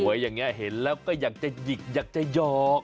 อย่างนี้เห็นแล้วก็อยากจะหยิกอยากจะหยอก